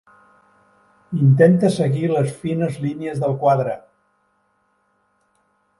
Intenta seguir les fines línies del quadre.